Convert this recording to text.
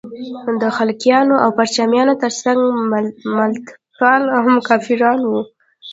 د خلقیانو او پرچمیانو تر څنګ ملتپال هم کافران وو.